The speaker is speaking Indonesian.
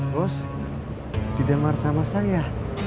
bos didengar sama saya